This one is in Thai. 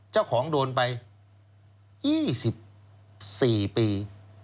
เจ้าของโดนไป๒๔ปี